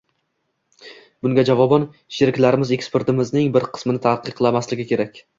Bunga javoban, sheriklarimiz eksportimizning bir qismini taqiqlamasligi kerak